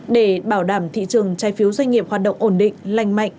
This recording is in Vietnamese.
để bảo đảm thị trường trái phiếu doanh nghiệp hoạt động ổn định lành mạnh